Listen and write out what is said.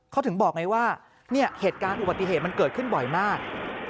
เขาถึงบอกไงว่าเหตุการณ์อุบัติเหตุมันเกิดขึ้นบ่อยมาก